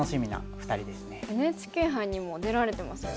ＮＨＫ杯にも出られてますよね。